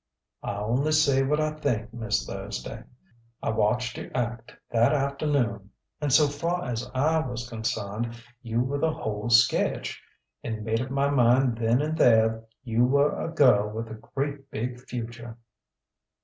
"I only say what I think, Miss Thursday. I watched you act that afternoon and so far as I was concerned, you were the whole sketch! and made up my mind then and there you were a girl with a great big future."